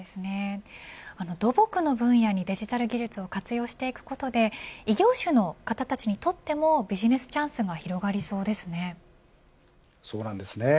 土木の分野にデジタル技術を活用していくことで異業種の方たちにとってもビジネスチャンスがそうなんですね。